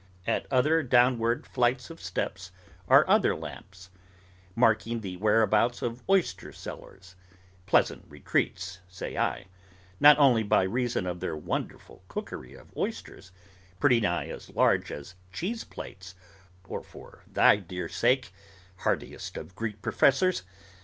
At other downward flights of steps, are other lamps, marking the whereabouts of oyster cellars—pleasant retreats, say I: not only by reason of their wonderful cookery of oysters, pretty nigh as large as cheese plates (or for thy dear sake, heartiest of Greek Professors!)